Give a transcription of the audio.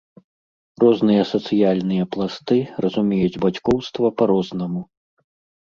Розныя сацыяльныя пласты разумеюць бацькоўства па-рознаму.